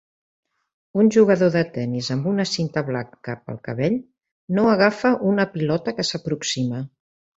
Un jugador de tenis amb una cinta blanca pel cabell no agafa una pilota que s'aproxima